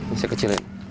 ini saya kecilin